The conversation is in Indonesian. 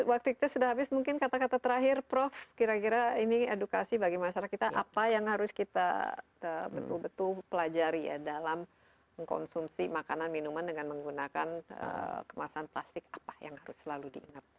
waktu kita sudah habis mungkin kata kata terakhir prof kira kira ini edukasi bagi masyarakat apa yang harus kita betul betul pelajari ya dalam mengkonsumsi makanan minuman dengan menggunakan kemasan plastik apa yang harus selalu diingat